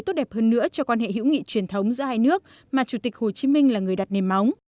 tốt đẹp hơn nữa cho quan hệ hữu nghị truyền thống giữa hai nước mà chủ tịch hồ chí minh là người đặt nền móng